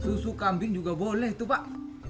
susu kambing juga boleh tuh pak